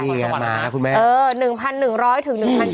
มีอัตราน้ำไหลผ่านนะคุณแม่